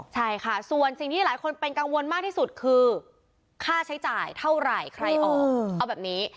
ใช่ค่ะส่วนสิ่งที่หลายคนเป็นกังวลมากที่สุดคือค่าใช้จ่ายเท่าไหร่ใครออกเอาแบบนี้